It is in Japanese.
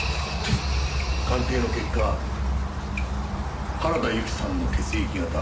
鑑定の結果原田由紀さんの血液型